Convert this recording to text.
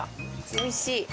おいしい！